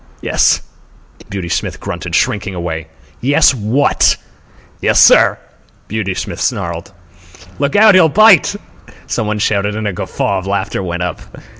"Yes," Beauty Smith grunted, shrinking away. "Yes what?" "Yes, sir," Beauty Smith snarled. "Look out! He'll bite!" some one shouted, and a guffaw of laughter went up.